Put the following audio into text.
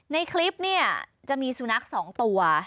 ในคลิปเนี่ยจะมีสุนัข๒ตัว